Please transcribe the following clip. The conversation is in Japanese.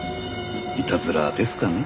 いたずらですかね？